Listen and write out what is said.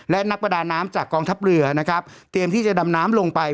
และนักประดาน้ำจากกองทัพเรือนะครับเตรียมที่จะดำน้ำลงไป